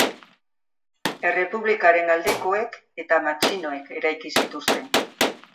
Errepublikaren aldekoek eta matxinoek eraiki zituzten.